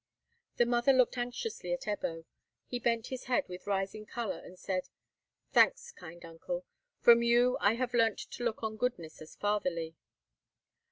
The mother looked anxiously at Ebbo. He bent his head with rising colour, and said, "Thanks, kind uncle. From you I have learnt to look on goodness as fatherly."